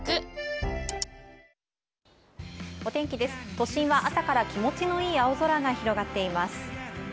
都心は朝から気持ちの良い青空が広がっています。